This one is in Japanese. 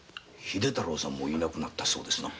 秀太郎さんもいなくなったそうですな。